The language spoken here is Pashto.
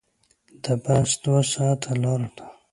د بس دوه ساعته لاره ده.